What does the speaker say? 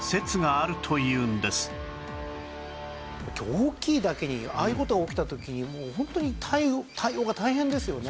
大きいだけにああいう事が起きた時にホントに対応が大変ですよね。